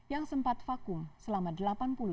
yang sempat vakum selama delapan puluh tahun